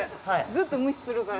ずっと無視するから。